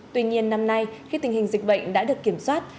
tuy nhiên năm nay khi tình hình dịch bệnh đã được kiểm soát